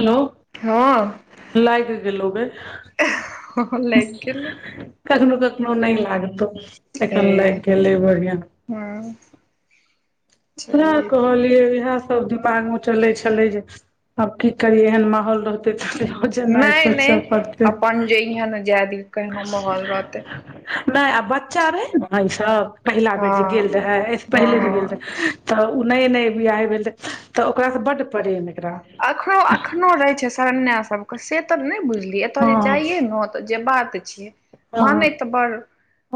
Hello. हँ। लागि गेलहु गे। लागि गेलौ कखनो कखनो नहि लागतो ए एखन लागि गेलै बढ़िआं। हँ। उहाय सहिये छै। कहलियै इएह। सब दिमाग मे चले छलै जे आब की करी एहन माहौल रहत तऽ। [unintelligible] नैय सोचऽ नैया पड़तै अपन जइहे ने जायदी केनो माहौल रहतै। नहि आब बच्चा रहै ने ईसभ पहिला बेर हँ जे गेल रहै एहिऐसँ पहिले जे हँ गेल रहै। तऽ ओ नहि नऽ बियहि भेल तऽ ओकरासँ बड प्रेम एकरा। अखनो अखनो रहे छै शरया सब के से ते नहि बुझलिये एतय हँ जे जाइये नेत। जे बात छियै। हँ मानै तऽ बड़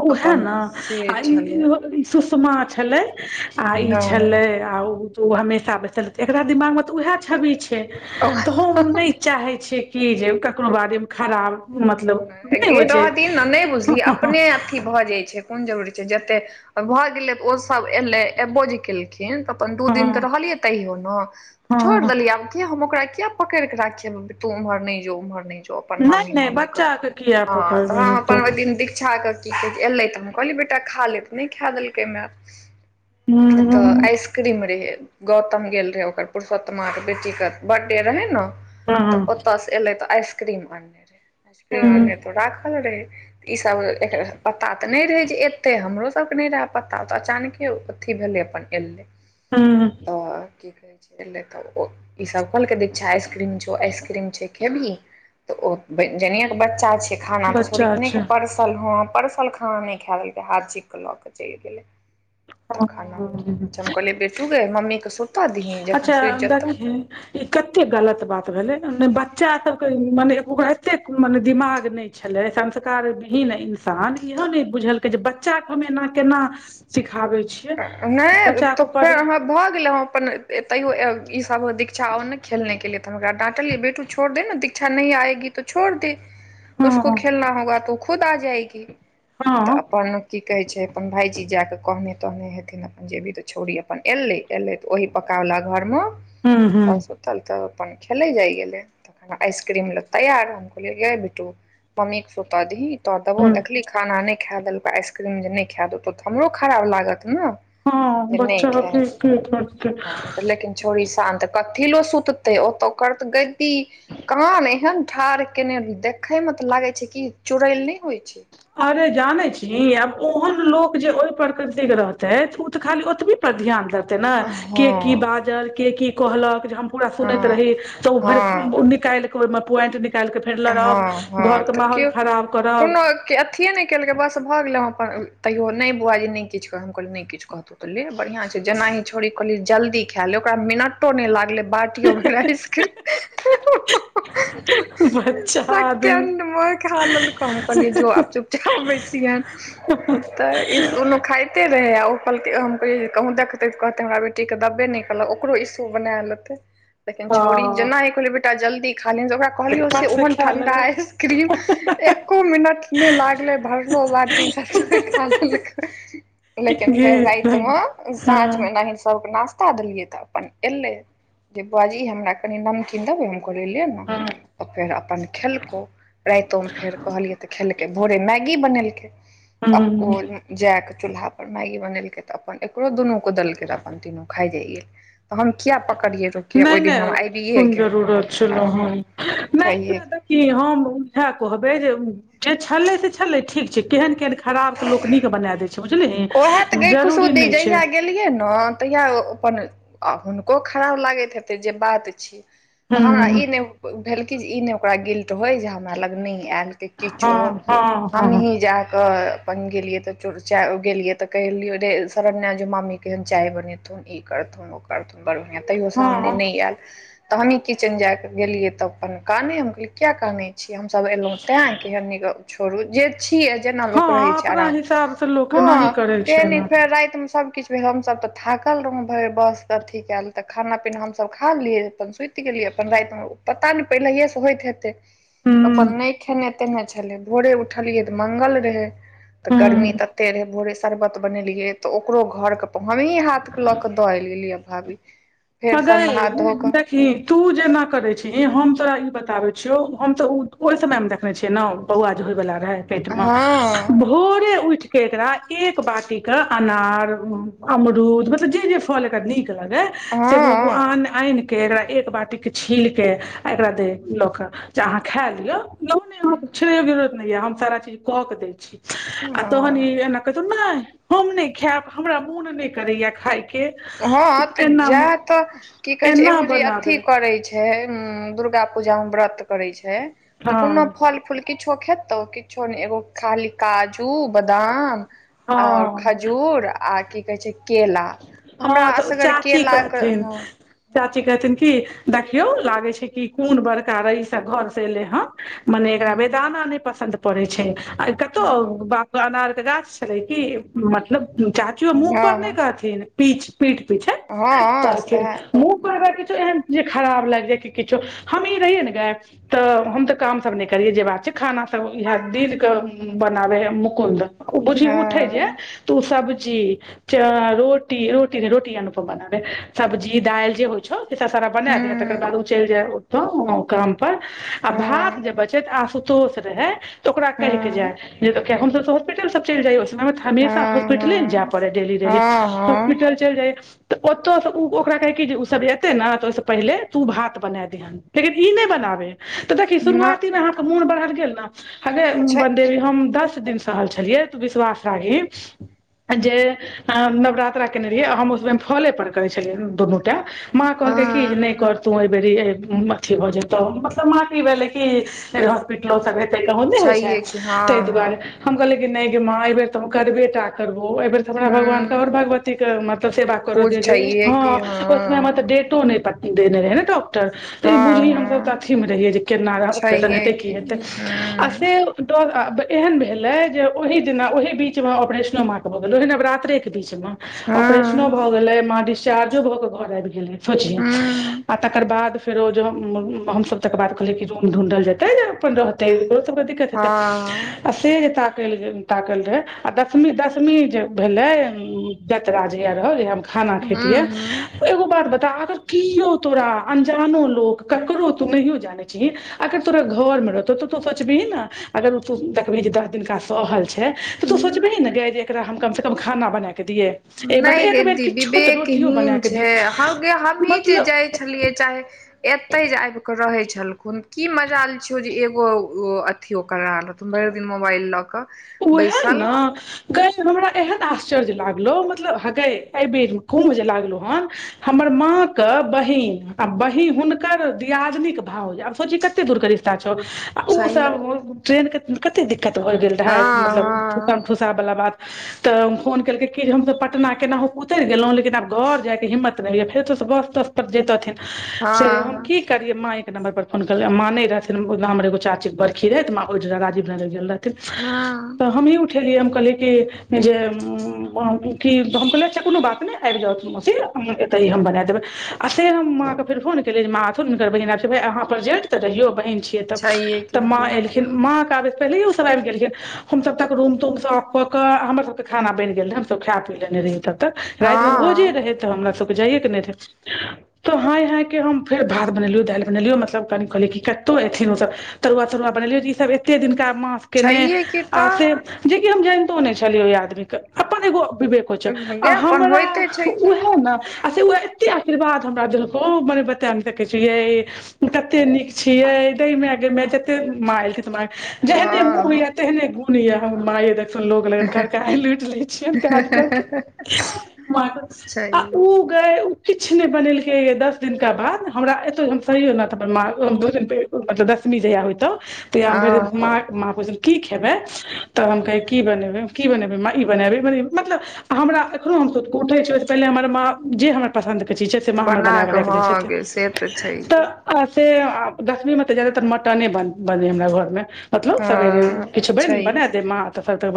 उहैन अपन से छलै इहों तऽ सोच। मा छलै आ ई हँ छलै आ ओ। तऽ ओ हमेशा बैसल रहतै एकरा दिमागमे तऽ ओएह छवि छै। ओह। तऽ हम नहि चाहे छियै किी जे ककरो बारेमे खराब मतलब नहि होइ छै। ई ने नहि बुझलिय अपने अथी भऽ जाइ छै कोन जरूरी छै जते भऽ गेलै ओस कि। सभ एयलै एबो जे केलखिन तऽ अपन दू दिन तऽ हँ रहलियै तैयो ने। छोड़ि हँ देलियै आब कि हम ओकरा किया पकड़िक राखिये तू उम्हर नहि जो उम्हर नहि जो अपन नहि मामी नहि मामी। हँ बच्चाके किया तऽ पकड़बै तो अपन ओहि दिन दीक्षा के। की कहै छै एयलै तऽ हम कहलियै बेटा खा ले तऽ नहि खाए देलकै मैए। हू एतऽ आइसक्रीम रहै। गौतम गेल रहै ओकर पुरुषोत्त्माके बेटीके बर्थडे रहै ने। तऽ हँ ओतयसँ एले तऽ आइसक्रीम आनने रहे आइसक्रीम हँ आनने तो राखल रहे। ई सब एक पता तऽ नहि रहे जे एते हमरो सबके नहि रहए पता तऽ अचानके। अथी भेलै अपन एलै। हू तऽ कि तऽ ई सब कोहलके दीक्षा आसक्रीम छो आइसक्रीम छै खेबही। तऽ ओ जन के बच्चा छिय खाना त छोड़ बच्चा केने छै के परस। ह परसल खाना नै खा देलकै हाथ छीक ला कऽ चैल गेले। [unintelligible] हँ हम कहलिय बेटू गे मम्मीे सुत दही अच्छा जखन सुति जेतौ। देखही ई कते गलत बात भेले न बच्चा सब के मने ओकरा एते मने दिमाग नै। छलै संस्कार भीन इन्सान इहो नै बुझलकै जे बच्चा कऽ हम एना केना सिख। खाबै छी। नै तऽ फेर अहाँ। भऽ गेल अपन तैयो ई सब दीक्षा आ ने खेलने [unintelligible] तऽ हम ऐकरा डाटलियै बेटू छोड़ [unintelligible] हँ [unintelligible] हँ तऽ हूँ अपन की कहे छैय अपन भाईजी जाक कहने तहने हेथिन अपन जेबी तऽ छोड़ी अपन एलै एले ओही पकावला घोर म सब हूँ सुतल तऽ अपन खेलै जाइ गेलै। तखन आइसक्रीम लऽ तैयार हम कहलिए गैय बेटू मम्मी केँ सुते दहि तो देबौ हूँ देखली खाना नै खा देलक आइसक्रीम जे नै खा देतौ तऽ हमरो खराब लागत न हँ जे नै बच्चा के खैत के करतै [inaudible] ह तऽ लेकिन छोड़ी शान्त कथिलो सुततै ओ तऽ कर तऽ गदी कान एहन ठाढ़ केने देखे में तऽ लागे छैय कि चुड़ैल नै होइ छैय। अरे जाने छीय आब ओहन लोक जे ओहि प्रकृति केँ रहते तऽ उ तऽ खाली ओतबी पर ध्यान दे तै ना केँ की हँ बाजल केँ की कहलक जे हम पूरा सुनैत हँ रही तऽ ओ भरि हँ न काइल के ओहिमे पोइंट निकाल के फेर लड़ब हँ घर के माहौल खराब करब केँ अथि नै केलकै बस भऽ गेलै अपन तैयो नै बौआ यौ नै किछ कह हम कहलियै नै किछ कहतौ तऽ ले बढ़ियां छै जेना ही छोड़ी कहली जल्दी खाय ले ओकरा मिनटो नै लागले बाटियो भैर आइसक्रीम [unintelligible] बच्चा आदमी सेकेंड में खैय ललकौ हम कहलिए जो आप चुपचाप बैसिहियन त ई दुनू खाइते रहे आ ओल कहूँ देखते त कहते हमरा बे टी कऽ दबै नै केलक ओकरो ईसु बना लेते लेकिन छोड़ी हँ जेना हे कहलैय बेटा जल्दी खा लिहयन ओकरा तऽ कहलियो से फट ओहन खा ठंडा लेलक आइसक्रीम एको मिनट नै लागले भरलो बाटी सब खा [unintelligible] लेकिन फेर राइत में साँझ में हँ एनाही सब केँ नास्ता ता देलियै तऽ अपन एलै जे बुआजी हमरा कनि नमकीन देबै हम कहलियै ले नै [unintelligible] फेर अपन खेलकौ राइतों फेर कहलियै तऽ खेलकै भोरे मैगी बनेलकै हँ ओइ म जै कऽ चूल्हा पर मैगी बनेलकै तऽ अपन एकरो दुनू को दलकै तऽ अपन तीनू खाइ जाइ गेल तऽ हम किए पकड़ियै रोकियै नहि ओइ दिन हम नहि आबिये कोन गेलौं जरूरत आ हम [inaudible] छै हे की कि हम उहै कहबै जे जे छलै से छलै ठीक छैय केहन केहन खराब कऽ लोक नीक बना देत ओहै तऽ गई खुशबु दीदी जहिया गेलियै न तहिया अपन हुनको खराब लागैत हेतै जे बात छिय। तऽ हमरा हूँ ई नै भेल कि जे ई नै ओकरा गिल्ट होय जे हमरा लग नै ऐल किछो हँ हँ हम हँ ही जाक अपन गेलियै तऽ चो चाय गेलियै तऽ कहलि रे शरण्या जे मामी केँ चाय बनेथुन ई करथुन ओ करथुन बड़ढ़आँ तैयो सामने हँ नै ऐल तऽ हमही किचेन जायके गेलियै तब अपन काने हम किया कहने छीय हम सब एलो तें केँ छोरु जे छीय जना लोक हँ रहैय छैय अपना अराम हिसाबसँ लोक एनाही हं करै छै ते ने फेर राइत मे सब किछ फेर हमसभ तऽ थाकल रहौ भरि बस अथी कयल तऽ खाना पीना हमसभ खा लेलियै अपन सुति गेलियै अपन राति मे पता नहि पहिलये स होइत हेतै हूँ अपन नहि खेने तेने छलै भोरे उठलियै तऽ मंगल रहै तऽ गर्मी हूँ तऽ भोरे शरबत बनेलियै ते ओकरो घर के हमी हाथ के ल क द एलिय लिय भाभी फेर सभ हगाय नहा धो कऽ द कि तू जेना करै छीह हम तोरा ई बताबै छियौ हम तऽ ओहि समयमे देखने छियै नहि बौआजे होयवालला रहै पेट मे हँ भोरे उठि के एकरा एक बाटी के अनार अमरूद मतलब जे जे फल एकरा निक लगै हँ अआनि आइन एकरा एक बाटी के छील के आ एकरा दे ल के जे अहाँ खाय लियअ नहि छड़ै के जरूरत नहि य हम सारा चीज क के दै छीय आ तहन ई हँ एना हम नहि खायब हमरा मोन नहि करैया खाय कऽ हँ तऽ जायत तऽ की कहै छै एना एगो जे अथी बनाबे करै छै दुर्गा पूजा मऽ व्रत करै छै तऽ कोनो हँ फल फूल किछो खेतौ किछो नहि एगो खाली काजू बदाम आओर हँ खजूर आ की कहैत छैय केला हमरा हँ तऽ असगर चाची केलाके कहथिन हँ चाची कहथिन कि देखियौ लागै छै कि कोन बड़का रइसँक घर सऽ एलै हेँ मने एकरा वेदाना नहि पसन्द पड़े छैय आ कतहु बाप अनार के गाछ छले की मतलब चाची मुह पर नहि हँ कहथिन पिच पीठ पिछे हँ हँ कहथीन सएह मुॅंह तं किछु एहन जे खराब लाग जाय छैय किछो हम ई रहियै नऽ गैय तऽ हम तऽ काम सब नहि करियै जे बात छैय खाना सब इहे दिन के बनाबे मुकुद ओ बुझी उठे जे हँ तऽ उ सब्जी च रोट रोटी रोटी अनुभव बनाबै सब्जी दाल जे होइ छौऽ एत सारा बना दे तकर हूँ बाद ओ चलि जाय ओत काम पर आ भात हँ जे बचैत आसू तोस रहे तऽ ओकरा कहि के हँ जाय जे हम सब हॉस्पिटल सब चलि जाइय हँ हमेशा हॉस्पिटले न जाय पड़ै डेली हँ डेली हँ हँ हॉस्पिटल चलि जाइय तऽ ओतस उ ओकरा कहै कि उसब एते नऽ त ओहिस पहिले तू भात बना दिहन ई नहि बताबै तऽ देखी न शुरुआती मे अहाँके मोन बढ़ल गेल नऽ हगै छै वनदेवी हम दस दिन सऽ सोहल छलिय तऽ विश्वास राघी जे नवरात्र केने रहियै हम ओ समय फले पर करै छलियै दुनू टाइम माॅं कहलकै कि हँ नहि कर तू एहि बेर अथी भऽ जेतौ मतलब माॅं कऽ ई भेलै कि लो से तैय होदे होइ छैय छैहे कि तहि हँ हँ दुआरे हम कहलिये कि नहिे गे माँ ऐबेर तऽ करबेटा करबो एहि बेर तऽ हमरा भगवान तऽ गखडऔर हूँ भगवती मतलब सेवा करऽ पूज दे जे छैहे हँ कि ओहि समय मऽ तऽ हँ डेटो नहि देने रहै नऽ डाॅक तऽ ई बुझी हँ हम सब तऽ हँ अथी मे रहियै जे केना ऑपरेशन छैहे हेतै की कि हेतै हूँ आ हँ से डर एहन भेले जे ओहि दिना ओहि बीच मे ऑपरेशनो माॅं के भऽ गेलै ओही नवरात्रे के बीच मऽ ऑपरेशनो भऽ गेलै मां डिस्चार्जो भऽ कऽ घर आबि गेलै सोचही हूँ आ तकर बाद फेरो जऽ हमसब तकर बाद कहलियै कि रूम ढूँढ़ल जेतै जऽ अपन रहतै तऽ ओकरो सब कऽ दिक्कत हेतै हँ आ से जे ताकैल गे ताकल रहै आ दसमी दसमी जे भेलै जतरा जहिया रहल जहिया हम खाना हूँ खैतियै हूँ एगो बात बता अगर कियौ तोरा अन्जानो लोक ककरो तू नहियो जानै छिही अगर तोरा घर मऽ रहतौ तऽ तू सोचबही नऽ अगर तू देखबही जे दस दिनका सहल छैय छैय तऽ तू सोचबही ने गैय जे एकरा हम कमसँ कम खाना बनाए कऽ दियै ए नै मतलब गे एक बेर दीदी किछो तऽ रोटियो वेकहीन बनाके दी छैय हगे हमहीं जे मतलब जाइ छलियै चाहे एतै जे आयब रहे छलखुन की मजाल छियौ जे एगो अथी ओ करा लथुन भैर दिन मे मोबइल लऽ कऽ ओहे बैसल नऽ गै हमरा एहन आश्चर्य लागलो मतलब हगै एहि बेर कुम्भ जे लागलो हन हमर माँ कऽ बहिन आ बहिन हुनकर दियाजिनीक भाउज आब सोची कते कते दूर के रिश्ता छौआ ओ छै सब ट्रेन के कते दिक्कत भए गेल [unintelligible] हँ मतलब ठुसम हँ ठुसा बला बात तऽ फोन केलकै कि जे हमसभ पटना केनाहु के उतैर गेलहुँ लेकिन आब घर जायके हिम्मत नै होइया फेर ओतयसँ बस तस जेतथिन से हँ हम हँ की कि करियै माँए के नम्बर पर फाॅन केल माँ नै रहथिन हमर एगो चाची कऽ बड़खी रहै तऽ माॅं ओहि जगह राजीवनगर गेल रहथिन हँ तऽ हमही उठेलियै हम कहलियै कि -जे कि हम कहलियै - अच्छा कुनू बात नै आयब जाउथ मोसी हम एते ई हम बना देबै आ से हम माँ के। फेर फोन केलियै जे माँ आथुन जे हिनकर बहिन एल छै जे अहाँ पर जेठ तऽ रहियो बहिन छियै तब छैहे कि तऽ माँ हँ एलखिन माँ तआबे तऽ पहिलेओ सब आइब गेलखिन हम सभटा के रूम तूम साफ। कऽ क हमर सब के खाना बैनगेल रहे हम सब खायए पी लेने रही तक तऽ राएत मे भोजे हँ रहै तऽ हमरा सबके जाइए के नहि रहै तऽ हाय हायके हम फेर भात बनेलियौ दाइलि बनेलियो मतलब कनि कहलियै कि कतहु ऐथिन ओसभ तरुआ तरुआ बनेलियै ईसभ एते दिनका मास केने छैहे कि आ तऽ से जेकि हम जैनतो नै छलियै ओहि आदमी के अपन एगो विवेक होय छै आ विज्ञापन हमरा होइते छै कि उहे न आ से उ एते आशीर्वाद हमरा देल को मने बता नै सकै छी यै कते नीक छी मैं दे मेए मेए जते माँ एलखिन त माॉं जेहने मुह हँ या तेहने गुण या हमर माये। जका सुनलो गेलए खेरका ऐलई लुइट ले छियैन काज कर के माँ छैहिये गै उ किछ नैए बनेलकै गे। दस दिनका बाद हमरा एतो हम सरिर नाथ अपन मार्ग़ दू दिन पे मतलब दशमी जहिया होयतौ तहिया फेर हँ माॅं कऽ माँ बजल की खेबै तऽ हम कहै की बनेएबे की बनेबै माँ ई बनेएब ई बनेएब मतलब हमरा एखनो हम सुत कऽ उठै छी पहिले हमर माँ जे हमर पसन्द के चीज छै से माँ हमर बना बनााकऽ कऽ रैख दै हँ छथिन गे से तऽ तऽ छैहे आ से आ दश्मी मे तऽ जादातर मटने बनै हमरा घर मे मतलब सबेरे मे हँ किछ बैन छैहे बना दै माँ अत सभके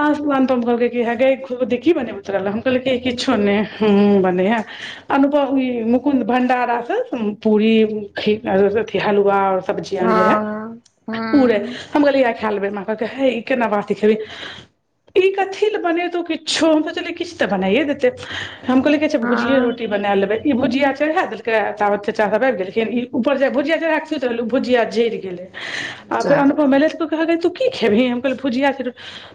आसापन तो कहल कि हेगे खुद कि बनेैबो तोरा लए हम कहलए कि किछो नै हू बनेै है अनुपम ई मुकुन्द भंडारा स पूरी खि अथि हलुवा सब्जी आनने रेह हँ उरहे हँ हम कहलय खेलेबै मा कहलके हे ई केना बाटी खेबी ई कथी ल बनेतो किछो हम सोचले किछ तऽ बनाइऐ देते हम कहले भुजिये रोटी हँ रोटी बना लेबई इ भुजिया चढ़ा देलके तबत चचा सब आइब गेलखिन ई ऊपर जेय भुजिया चढ़ा सुइत रहले उ भुजिया जैर गेलै आ जा फेर अनुपम एलै हगै तु की खेबही हम कहलियै भुजिया छै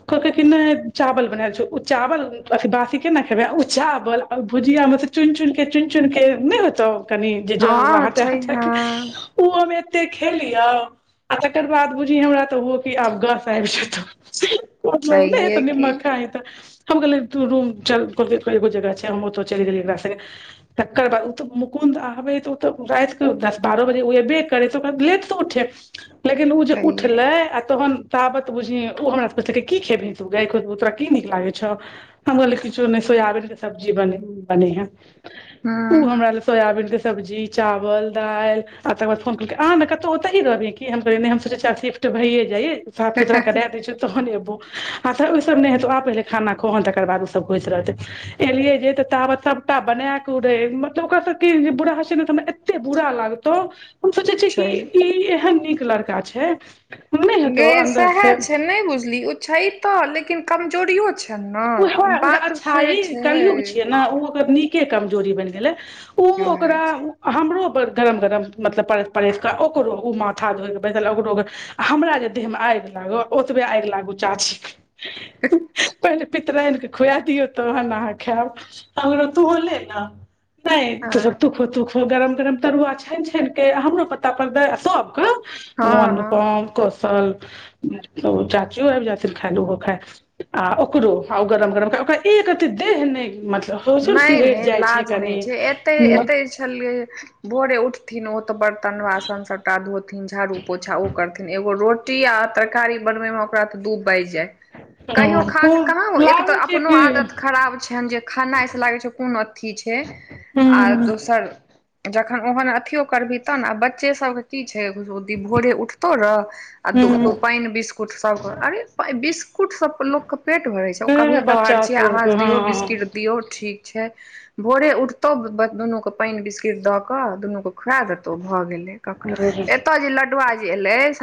कहलके कि नई चावल बनाल छओ चावल अथि बासी केना खेबै ओ चावल आ भुजिया मे स चुइन - चुइन केँ चुइन चुइन केँ नइ होतौ कनि जे जरल बला हँ हटा छै हटा केँ हँ उ हम एते खेलियो आ तकर बाद बुझी हमरा तऽ हुओ कि आब गस आइब जेतौ मतलब नय छैहे हेतै कि निमक खाही तऽ हम कहलियै तू रूम चल कहलकेँ एगो जगह छै हम ओतो चैल गेलियै एकरा सगे तकर बाद उ तऽ मुकुन्द आबै तऽ ओ तऽ रात कऽ दस बारह बजे ओ एबे करै तऽ ओ कनी लेट सऽ उठे लेकिन ऊ जे छैहे उठलै आ तहन। ताबत बुझही उ हमरा सँ पुछलकै कि खेबहि गे खुसबु तोरा की नीक लागे छौ हम कहलिए किछो नय सोयाबीन केँ सब्जी बने- बनेहिए उ हँ हमरा लऽ सोयाबीन कऽ सब्जी चावल दाइल आ तकर बाद फोन केलकै आ नऽ कतौ ओतेहि रहबिही की हम कहलिए नई हम सोचै छियै आब सिफ्ट भये जाए साफ सुथरा करै दैय छियो तऽ तहन एबो आ तऽ उ सब नय हेतौ आ पहिले खाना खो हन तकर बाद ओ सब होइत रहतै एलियै जे ते ताबत सबटा बनै कऽ उ रहै मतलब ओकर सब केँ जे बुरा हो छै ने तऽ हमरा एते बुरा लाग तऽ हम सोचै छियै कि छै ई एहन नीक लड़का छै नहि हेतौ गए अन्दर सैहै से छै नय बुझली ओ छै तऽ लेकिन कमजोरियो छै ने उहै उहै बात अच्छाई से कलियुग छै छियै नऽ उ ओकरा नीक केँ कमजोरी बैन गेलै उ वएह ओकरा छै हमरो बद गरम गरम मतलब परैस परैस कऽ ओकरो उ माथा धोए कऽ बैसल ओकरो आ हमरा जे देहमे आइग लागो ओतबै आइग लागो चाची कऽ पहिले रहिन कऽ खुआ दियौ तहन अहाँ खैब हमरो तूहू ले नऽ नई तु छोर हँ तू खो - तू खो गरम गरम तरुआ छैन छैन कऽ हमरो पता पड़ दे आ सब कऽ मोन हँ हँ नुपम कौशल मतलब ओ चाचीयो आइब जाथिन खाइ आ उहो खाय आ ओकरो आ ओ गरम गरम ओकरा एक रति देह नय मतलब होइ छै ने नय सिहरि नय जाइ छै लाज कनि नैय छै एतेय एतेय छलै भोरे उठथिन ओ तऽ बर्तन बासन सबटा धोथिन झाड़ू पोछा ओ करथिन एगो रो टिया आ तरकारी बनबै मे ओकरा तऽ दु बाइज जाय कहियो खा कऽ खूब कहाँ ओ एक तऽ लागै छै अपनो कि आदत खराब छैन जे खे नाय सँ लागै छै कोन अथी छै आ हूँ दोसर जखन ओहन अथियो करबही तऽ नऽ आ बच्चे सभ कऽ की छै भोरे उठतौ न आ दु हूँ पाईन बिस्कुट सब कऽ अरे बिस्कुट सब कऽ लोक कऽ पेट भरे छै ओ कभी कभार बच्चा छियै अहा सबके दियौ बिस्किट हँ दियौ ठीक छै भोरे उठतौ बस दुनू कऽ पानि बिस्कुटे दऽ कऽ दुनू कऽ खुआ द तो भऽ गेल एतअ जे लडुआ जे एलै